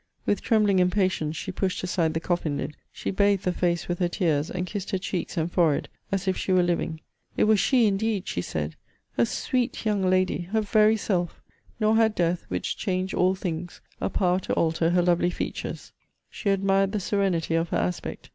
With trembling impatience she pushed aside the coffin lid. She bathed the face with her tears, and kissed her cheeks and forehead, as if she were living. It was she indeed! she said; her sweet young lady! her very self! Nor had death, which changed all things, a power to alter her lovely features! She admired the serenity of her aspect.